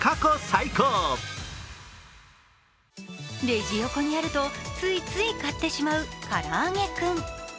レジ横にあるとついつい買ってしまうからあげクン。